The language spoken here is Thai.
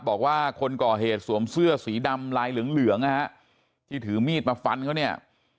บอกว่าคนก่อเหตุสวมเสื้อสีดำลายเหลืองเหลืองนะฮะที่ถือมีดมาฟันเขาเนี่ย